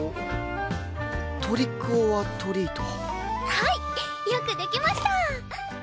はいよくできました！